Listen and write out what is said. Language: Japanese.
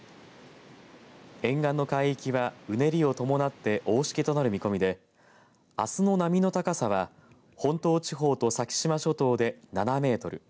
沿岸の海域は、うねりを伴って大しけとなる見込みであすの波の高さは本島地方と先島諸島で７メートル